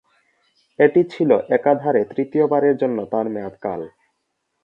এটি ছিল একাধারে তৃতীয়বারের জন্য তার মেয়াদকাল।